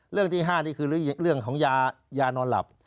เรื่องที่๕นี่คือเรื่องของยานอนหลับ